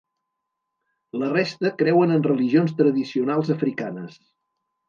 La resta creuen en religions tradicionals africanes.